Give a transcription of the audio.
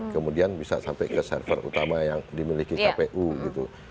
kemudian bisa sampai ke server utama yang dimiliki kpu gitu